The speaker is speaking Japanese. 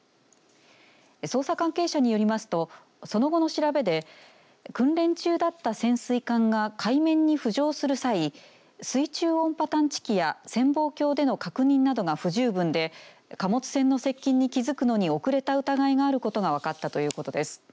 捜査関係者によりますとその後の調べで訓練中だった潜水艦が海面に浮上する際水中音波探知機や潜望鏡での確認などが不十分で貨物船の接近に気付くのに遅れた疑いがあることが分かったということです。